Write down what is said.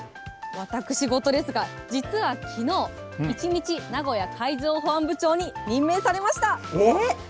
私事ですが、実はきのう、一日名古屋海上保安部長に任命されました。